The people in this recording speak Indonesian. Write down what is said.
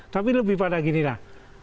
tapi lebih pada gini lah